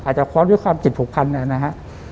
อาจจะค้อนด้วยความจิตผูกพันเนี่ยนะฮะ